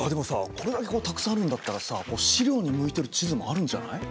これだけこうたくさんあるんだったらさ資料に向いてる地図もあるんじゃない？